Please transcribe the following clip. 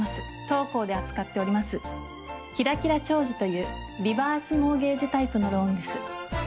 当行で扱っております「キラキラ長寿」というリバースモーゲージタイプのローンです。